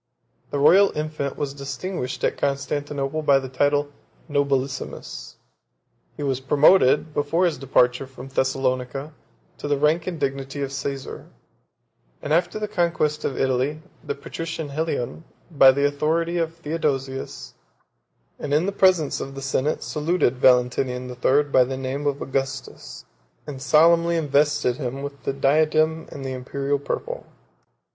The royal infant was distinguished at Constantinople by the title of Nobilissimus: he was promoted, before his departure from Thessalonica, to the rank and dignity of Caesar; and after the conquest of Italy, the patrician Helion, by the authority of Theodosius, and in the presence of the senate, saluted Valentinian the Third by the name of Augustus, and solemnly invested him with the diadem and the Imperial purple.